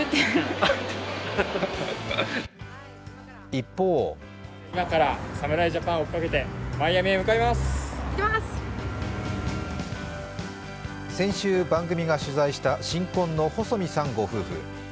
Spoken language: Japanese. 一方先週、番組が取材した新婚の細見さん夫婦。